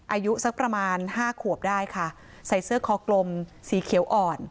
อายุสักประมาณห้าขวบได้ค่ะใส่เสื้อคอกลมสีเขียวอ่อน